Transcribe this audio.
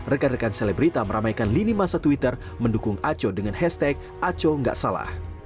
rekan rekan selebrita meramaikan lini masa twitter mendukung aco dengan hashtag aconggaksalah